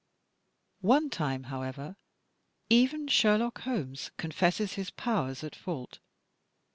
One time, however, even Sherlock Holmes confesses his powers at fault.